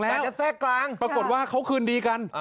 อาจจะแทรกกลางปรากฏว่าเขาคืนดีกัน